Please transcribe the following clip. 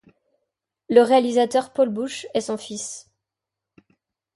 Le réalisateur Paul Bush est son fils.